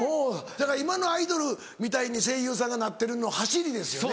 だから今のアイドルみたいに声優さんがなってるののはしりですよね。